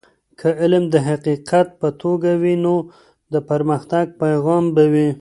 که علم د حقیقت په توګه وي نو د پرمختګ پیغام به وي.